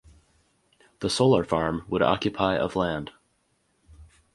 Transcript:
The solar farm would occupy of land.